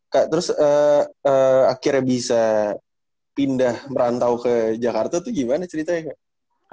kak terus akhirnya bisa pindah merantau ke jakarta tuh gimana ceritanya nggak